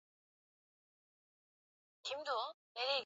zilizokuwepo kuwa mbaya zaidi kama pumu na maumivu ya kifua